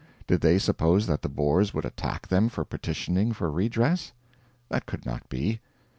Did they suppose that the Boers would attack them for petitioning, for redress? That could not be.